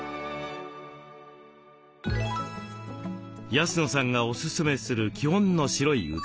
安野さんがおすすめする基本の白い器。